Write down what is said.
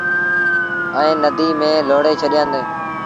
ائيٚݩ نديٚ ميݩ لوڙي ڇڏيآندي۔